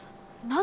何？